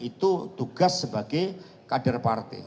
itu tugas sebagai kader partai